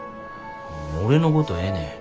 俺のことはええねん。